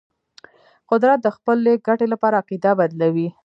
قدرت د خپل ګټې لپاره عقیده بدلوي.